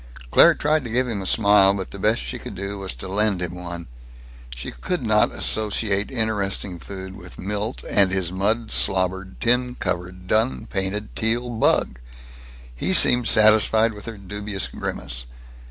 Claire tried to give him a smile, but the best she could do was to lend him one. She could not associate interesting food with Milt and his mud slobbered, tin covered, dun painted Teal bug. He seemed satisfied with her dubious grimace.